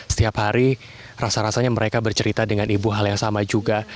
setiap hari rasa rasanya mereka bercerita dengan ibu hal yang sama juga